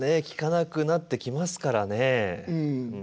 聞かなくなってきますからねえ。